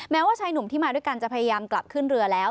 ว่าชายหนุ่มที่มาด้วยกันจะพยายามกลับขึ้นเรือแล้ว